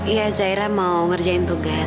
iya zaira mau ngerjain tugas